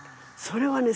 それはね